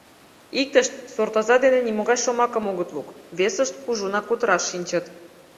Иктышт суртоза дене нимогай шомакым огыт лук, весышт кужунак кутыраш шинчыт.